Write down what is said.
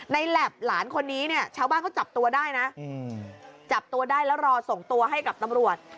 แหลบหลานคนนี้เนี่ยชาวบ้านเขาจับตัวได้นะจับตัวได้แล้วรอส่งตัวให้กับตำรวจ